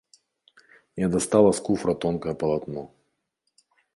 Я дастала з куфра тонкае палатно.